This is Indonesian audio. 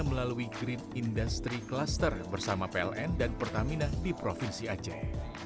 melalui green industry cluster bersama pln dan pertamina di provinsi aceh